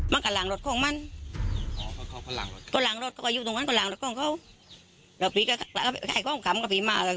ไม่รู้ข้างหลักไม่รู้